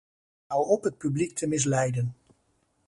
Hou op het publiek te misleiden.